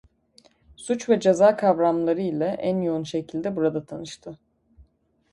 Suç ve ceza kavramları ile en yoğun şekilde burada tanıştı.